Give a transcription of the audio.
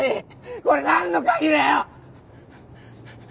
これなんの鍵だよ！？